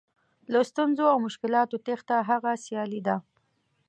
له ستونزو او مشکلاتو تېښته هغه سیالي ده.